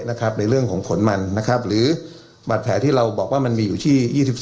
ในเรื่องของขนมันนะครับหรือบาดแผลที่เราบอกว่ามันมีอยู่ที่๒๒